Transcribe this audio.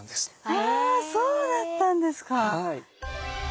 あそうだったんですか！